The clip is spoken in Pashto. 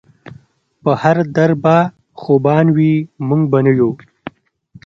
پۀ هر دهر به خوبان وي مونږ به نۀ يو